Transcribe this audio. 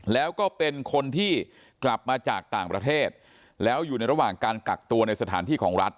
แล้วก็เป็นคนที่กลับมาจากต่างประเทศแล้วอยู่ในระหว่างการกักตัวในสถานที่ของรัฐ